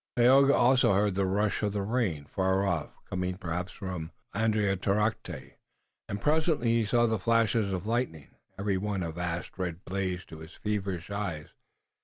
Tayoga also heard the rushing of the rain, far off, coming, perhaps, from Andiatarocte, and presently he saw the flashes of lightning, every one a vast red blaze to his feverish eyes.